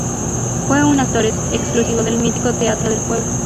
Fue un actor exclusivo del mítico Teatro del Pueblo.